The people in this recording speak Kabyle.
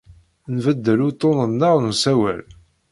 Nembaddal uḍḍunen-nneɣ n usawal.